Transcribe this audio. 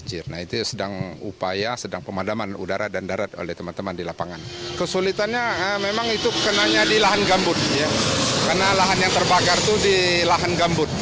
karena lahan yang terbakar itu di lahan gambut